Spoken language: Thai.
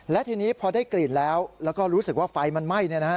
และทีนี้พอได้กลิ่นแล้วแล้วก็รู้สึกว่าไฟมันไหม้